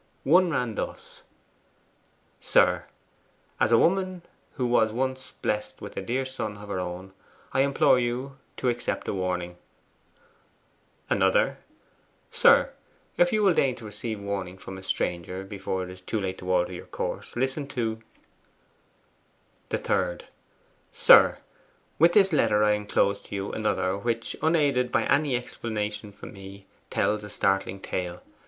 One ran thus: 'SIR, As a woman who was once blest with a dear son of her own, I implore you to accept a warning ' Another: 'SIR, If you will deign to receive warning from a stranger before it is too late to alter your course, listen to ' The third: 'SIR, With this letter I enclose to you another which, unaided by any explanation from me, tells a startling tale.